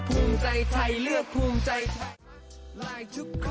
ภูมิใจไทยเลือกภูมิใจไทย